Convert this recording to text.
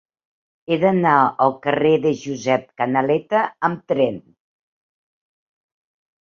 He d'anar al carrer de Josep Canaleta amb tren.